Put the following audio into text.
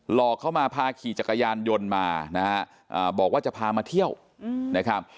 อกเข้ามาพาขี่จักรยานยนต์มานะฮะบอกว่าจะพามาเที่ยวนะครับ